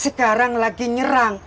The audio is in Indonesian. sekarang lagi nyerang